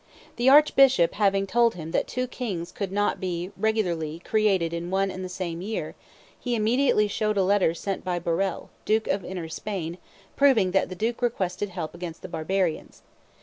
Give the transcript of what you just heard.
The archbishop having told him that two kings could not be, regularly, created in one and the same year, he immediately showed a letter sent by Borel, duke of inner Spain, proving that that duke requested help against the barbarians.